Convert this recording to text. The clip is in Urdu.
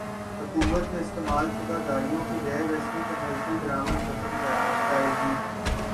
حکومت نے استعمال شدہ گاڑیوں کی غیر رسمی کمرشل درامد ختم کردی